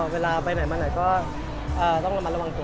เวลาไปไหนมาไหนก็ต้องระมัดระวังตัว